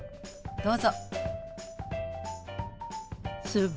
どうぞ。